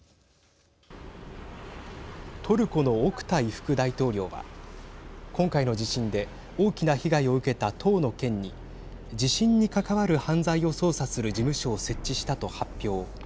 トルコのオクタイ副大統領は今回の地震で大きな被害を受けた１０の県に地震に関わる犯罪を捜査する事務所を設置したと発表。